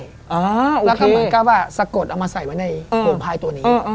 แล้วก็มันก็ว่าสะกดเอามาใส่ไว้ในหุ่นโหงพลายตัวนี้